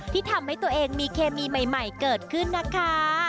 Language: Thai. ที่ทำให้ตัวเองมีเคมีใหม่เกิดขึ้นนะคะ